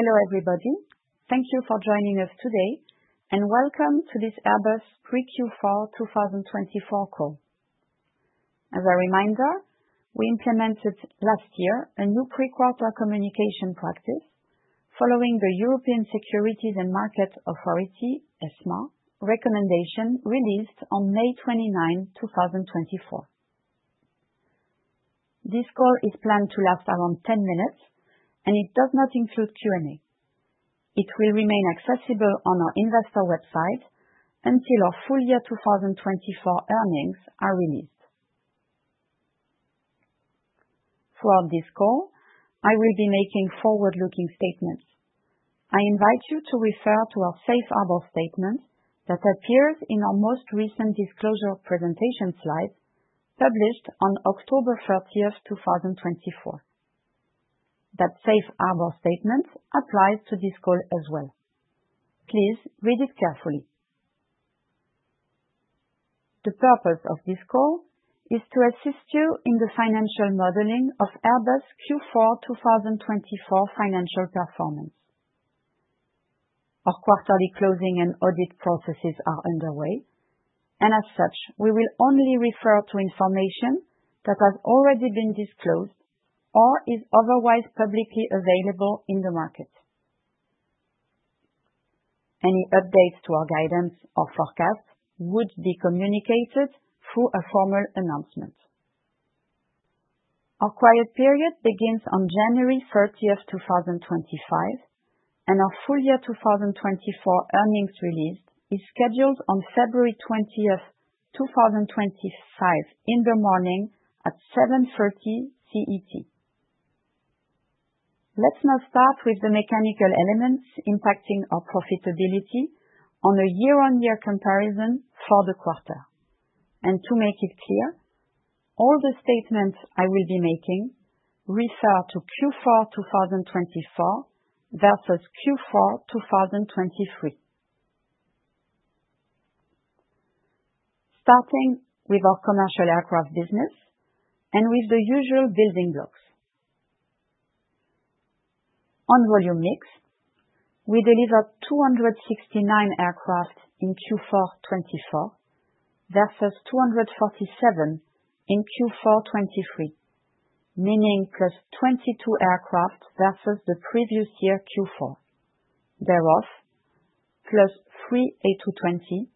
Hello everybody, thank you for joining us today, and welcome to this Airbus Pre-Q4 2024 Call. As a reminder, we implemented last year a new pre-quarter communication practice following the European Securities and Markets Authority (ESMA) recommendation released on May 29, 2024. This call is planned to last around 10 minutes, and it does not include Q and A. It will remain accessible on our investor website until our full year 2024 earnings are released. Throughout this call, I will be making forward-looking statements. I invite you to refer to our Safe Harbor Statement that appears in our most recent disclosure presentation slides, published on October 30, 2024. That Safe Harbor Statement applies to this call as well. Please read it carefully. The purpose of this call is to assist you in the financial modeling of Airbus Q4 2024 financial performance. Our quarterly closing and audit processes are underway, and as such, we will only refer to information that has already been disclosed or is otherwise publicly available in the market. Any updates to our guidance or forecast would be communicated through a formal announcement. Our quiet period begins on January 30, 2025, and our full year 2024 earnings release is scheduled on February 20, 2025, in the morning at 7:30 A.M. CET. Let's now start with the mechanical elements impacting our profitability on a year on year comparison for the quarter, and to make it clear, all the statements I will be making refer to Q4 2024 versus Q4 2023, starting with our commercial aircraft business and with the usual building blocks. On volume mix, we delivered 269 aircraft in Q4 2024 versus 247 in Q4 2023, meaning plus 22 aircraft versus the previous year Q4, thereof plus three A220,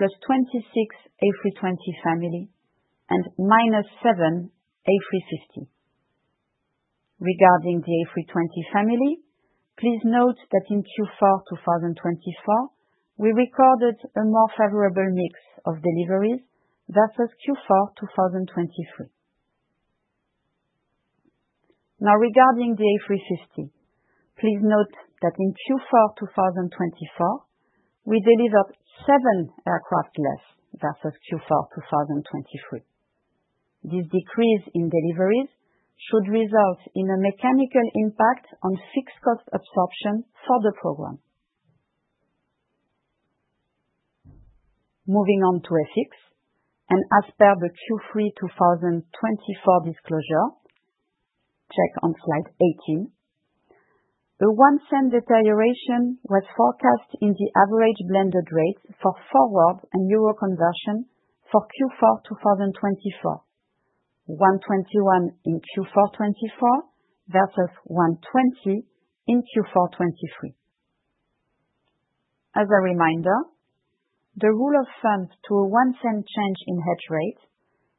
plus 26 A320 Family, and minus seven A350. Regarding the A320 Family, please note that in Q4 2024, we recorded a more favorable mix of deliveries versus Q4 2023. Now, regarding the A350, please note that in Q4 2024, we delivered seven aircraft less versus Q4 2023. This decrease in deliveries should result in a mechanical impact on fixed cost absorption for the program. Moving on to FX and as per the Q3 2024 disclosure. Check on Slide 18. A $0.01 deterioration was forecast in the average blended rates for forward and Euro conversion for Q4 2024, 1.21 in Q4 2024 versus 1.20 in Q4 2023. As a reminder, the rule of thumb to a one cent change in hedge rates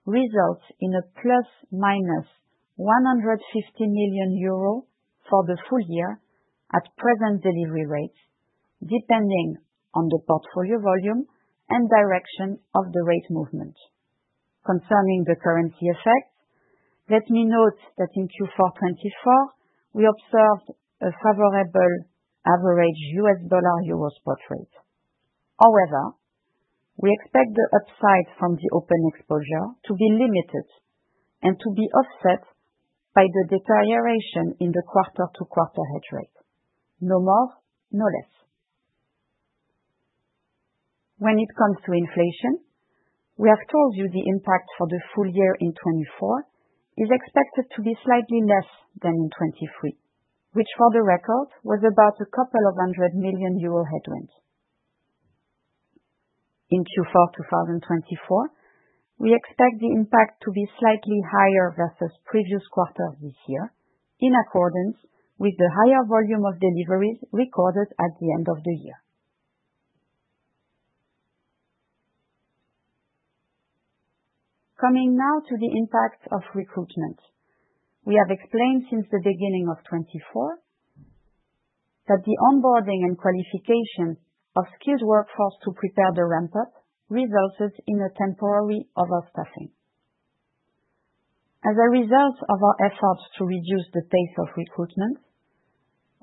results in a plus minus 150 million euro for the full year at present delivery rates, depending on the portfolio volume and direction of the rate movement. Concerning the currency effect, let me note that in Q4 2024, we observed a favorable average US Dollar Euro spot rate. However, we expect the upside from the open exposure to be limited and to be offset by the deterioration in the quarter to quarter hedge rate. No more, no less. When it comes to inflation, we have told you the impact for the full year in 2024 is expected to be slightly less than in 2023, which, for the record, was about a couple of hundred million EUR headwinds. In Q4 2024, we expect the impact to be slightly higher versus previous quarters this year, in accordance with the higher volume of deliveries recorded at the end of the year. Coming now to the impact of recruitment, we have explained since the beginning of 2024 that the onboarding and qualification of skilled workforce to prepare the ramp-up results in a temporary overstaffing. As a result of our efforts to reduce the pace of recruitment,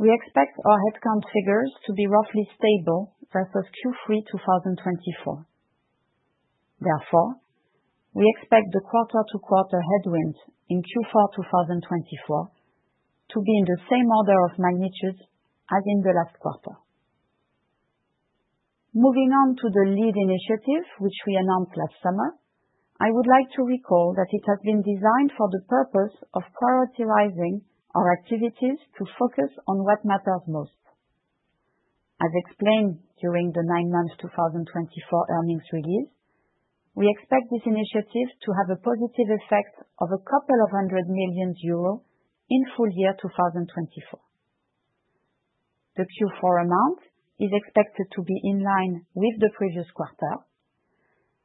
we expect our headcount figures to be roughly stable versus Q3 2024. Therefore, we expect the quarter to quarter headwinds in Q4 2024 to be in the same order of magnitude as in the last quarter. Moving on to the LEAD initiative, which we announced last summer, I would like to recall that it has been designed for the purpose of prioritizing our activities to focus on what matters most. As explained during the nine-month 2024 earnings release, we expect this initiative to have a positive effect of a couple of hundred EUR in full year 2024. The Q4 amount is expected to be in line with the previous quarter,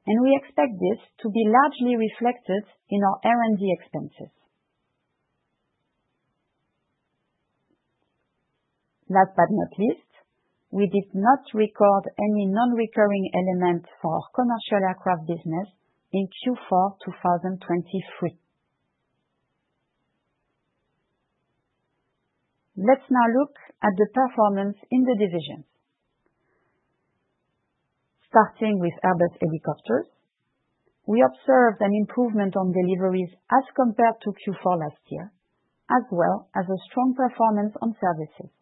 and we expect this to be largely reflected in our R&D expenses. Last but not least, we did not record any non-recurring element for our commercial aircraft business in Q4 2023. Let's now look at the performance in the divisions. Starting with Airbus Helicopters, we observed an improvement on deliveries as compared to Q4 last year, as well as a strong performance on services.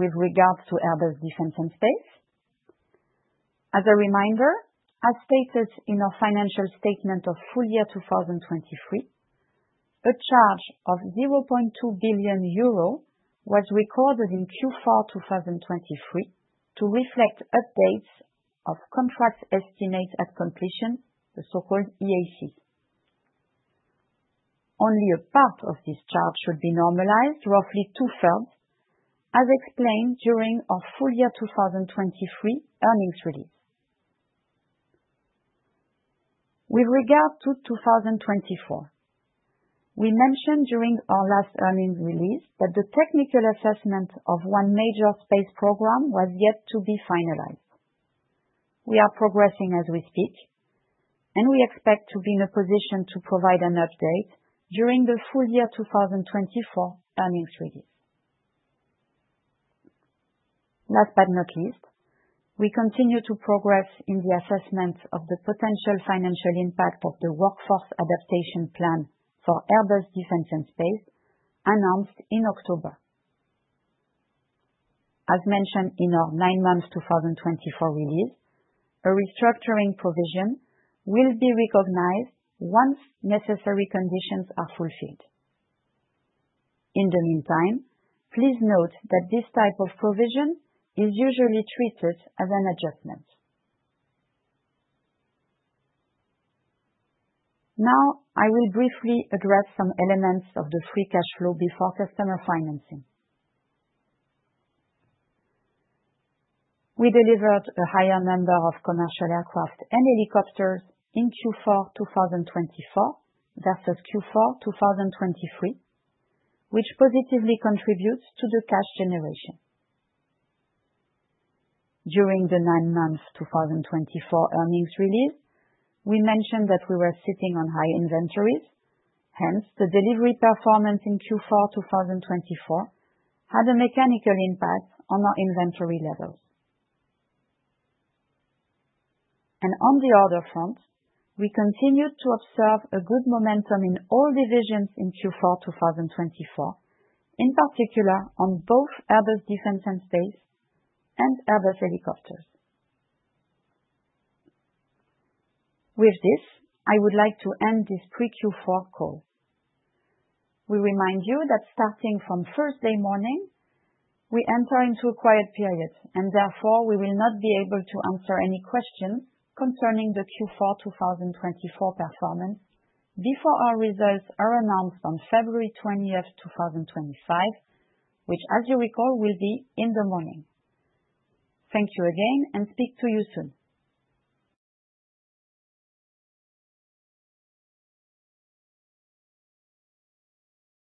With regards to Airbus Defence and Space, as a reminder, as stated in our financial statement of full year 2023, a charge of 0.2 billion euro was recorded in Q4 2023 to reflect updates of contract estimates at completion, the so-called EAC. Only a part of this charge should be normalized, roughly two-thirds, as explained during our full year 2023 earnings release. With regard to 2024, we mentioned during our last earnings release that the technical assessment of one major space program was yet to be finalized. We are progressing as we speak, and we expect to be in a position to provide an update during the full year 2024 earnings release. Last but not least, we continue to progress in the assessment of the potential financial impact of the workforce adaptation plan for Airbus Defence and Space announced in October. As mentioned in our nine-month 2024 release, a restructuring provision will be recognized once necessary conditions are fulfilled. In the meantime, please note that this type of provision is usually treated as an adjustment. Now, I will briefly address some elements of the free cash flow before customer financing. We delivered a higher number of commercial aircraft and helicopters in Q4 2024 versus Q4 2023, which positively contributes to the cash generation. During the nine-month 2024 earnings release, we mentioned that we were sitting on high inventories, hence, the delivery performance in Q4 2024 had a mechanical impact on our inventory levels. And on the order front, we continued to observe a good momentum in all divisions in Q4 2024, in particular on both Airbus Defence and Space and Airbus Helicopters. With this, I would like to end this pre-Q4 call. We remind you that starting from Thursday morning, we enter into a quiet period, and therefore we will not be able to answer any questions concerning the Q4 2024 performance before our results are announced on February 20, 2025, which, as you recall, will be in the morning. Thank you again, and speak to you soon.